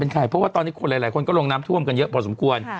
เพราะว่าตอนนี้คนหลายคนก็ลงน้ำท่วมกันเยอะพอสมควร